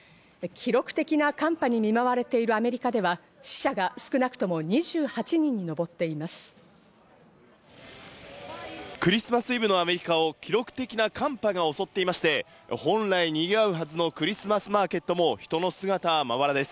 記録的な寒波に見舞われているアメリカでは、死者が少なくとも２８人に上ってクリスマスイブのアメリカを記録的な寒波が襲っていまして、本来賑わうはずのクリスマスマーケットも、人の姿はまばらです。